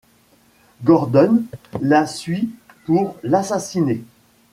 Gordon la suit pour l'assassiner.